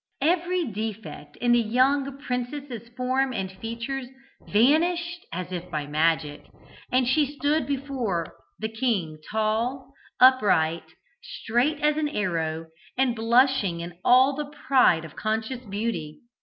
Every defect in the young princess's form and features vanished as if by magic, and she stood before the king, tall, upright, straight as an arrow, and blushing in all the pride of conscious beauty.